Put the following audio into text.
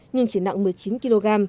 nhưng chỉ nặng một mươi chín kg